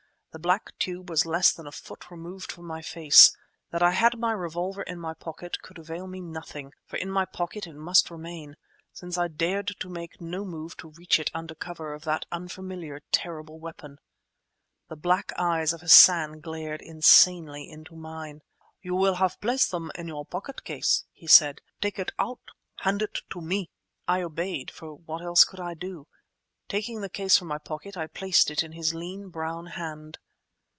The black tube was less than a foot removed from my face. That I had my revolver in my pocket could avail me nothing, for in my pocket it must remain, since I dared to make no move to reach it under cover of that unfamiliar, terrible weapon. The black eyes of Hassan glared insanely into mine. "You will have placed them in your pocketcase," he said. "Take it out; hand it to me!" I obeyed, for what else could I do? Taking the case from my pocket, I placed it in his lean brown hand.